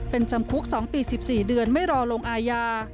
เป็นจำคุก๒ปี๑๔เดือนไม่รอลงอาญา